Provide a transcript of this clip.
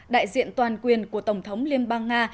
đại diện toàn quyền của tổng thống liên bang nga